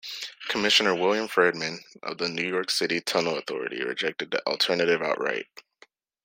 Commissioner William Friedman of the New York City Tunnel Authority rejected the alternative outright.